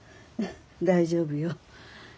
大丈夫よ。